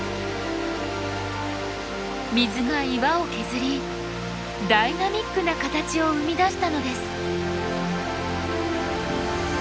水が岩を削りダイナミックな形を生み出したのです。